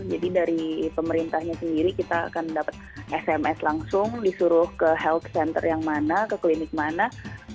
jadi dari pemerintahnya sendiri kita akan dapat sms langsung disuruh ke health center yang mana ke klinik mana